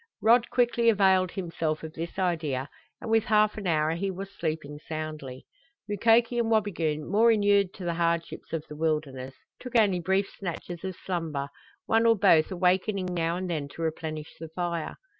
Rod quickly availed himself of this idea, and within half an hour he was sleeping soundly. Mukoki and Wabigoon, more inured to the hardships of the wilderness, took only brief snatches of slumber, one or both awakening now and then to replenish the fire.